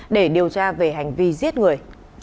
để điều tra về hành vi giết người